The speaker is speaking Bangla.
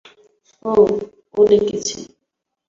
ও, ও ডেকেছে?